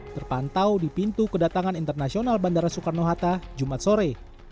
terpantau di pintu kedatangan internasional bandara soekarno hatta jumat sore